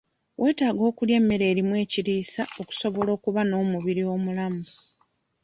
Weetaaga okulya emmere erimu ekiriisa okusobola okuba n'omubiri omulamu.